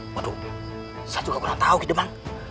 hai saya juga kurang tahu gitu bang